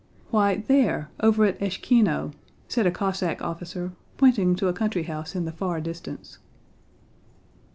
"Why, there, over at Échkino," said a Cossack officer, pointing to a country house in the far distance.